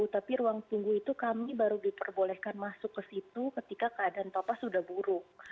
tapi ruang tunggu itu kami baru diperbolehkan masuk ke situ ketika keadaan papa sudah buruk